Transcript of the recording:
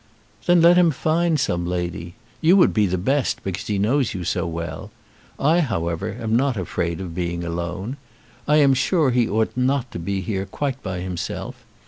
"Then let him find some lady. You would be the best, because he knows you so well. I, however, am not afraid of being alone. I am sure he ought not to be here quite by himself.